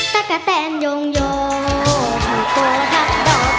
โชคครับ